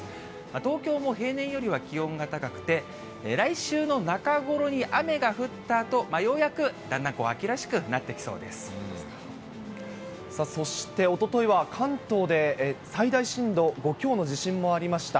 東京も平年よりは気温が高くて、来週の中頃に雨が降ったあと、ようやくだんだん秋らしくなってそしておとといは、関東で最大震度５強の地震もありました。